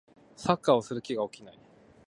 サッカーをする気が起きない